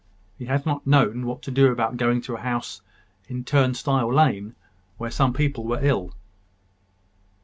He had not known what to do about going to a house in Turnstile lane, where some people were ill.